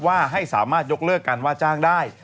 ให้สามารถยกเลิกการว่าจ้างได้